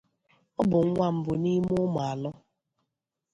Ọ bụ nwa mbụ n’ime ụmụ anọ.